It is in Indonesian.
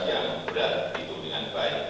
yang berat itu dengan baik